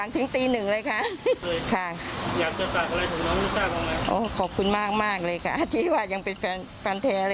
ชอบมากรายการ